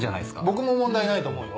僕も問題ないと思うよ。